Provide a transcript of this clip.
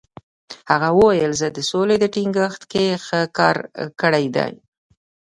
هغه وویل، زه د سولې په ټینګښت کې ښه کار کړی دی.